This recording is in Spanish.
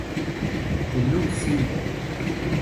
Deluxe Single